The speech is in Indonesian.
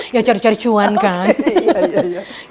ya cari cari cuan kan